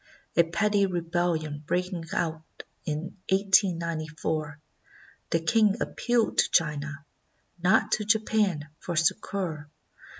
A petty rebellion breaking out in 1894, the king ap pealed to China, not to Japan, for succor.